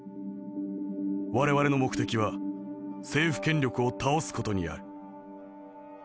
我々の目的は政府権力を倒す事にある。